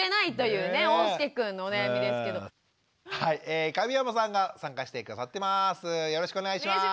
はい神山さんが参加して下さってます。